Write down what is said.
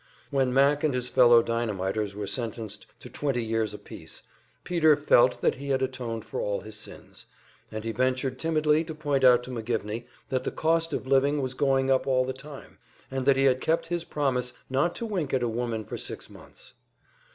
When "Mac" and his fellow dynamiters were sentenced to twenty years apiece, Peter felt that he had atoned for all his sins, and he ventured timidly to point out to McGivney that the cost of living was going up all the time, and that he had kept his promise not to wink at a woman for six months.